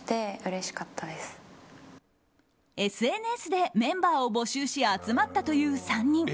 ＳＮＳでメンバーを募集し集まったという３人。